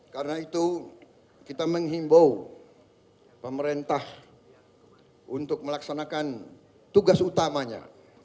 karena itu kita menghimbau pemerintah untuk melaksanakan tugas utamanya